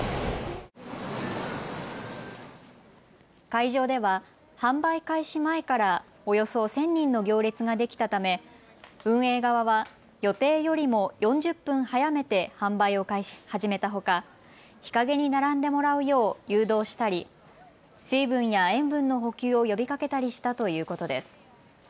会場では販売開始前からおよそ１０００人の行列ができたため運営側は予定よりも４０分早めて販売を始めたほか日陰に並んでもらうよう誘導したり水分や塩分の補給を呼びかけたりしたということです。